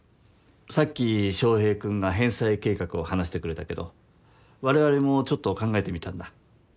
さっき翔平君が返済計画を話してくれたけどわれわれもちょっと考えてみたんだ。